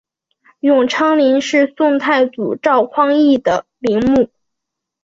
永昌陵是宋太祖赵匡胤的陵墓。